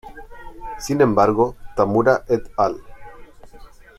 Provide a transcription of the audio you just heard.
Sin embargo, Tamura "et al.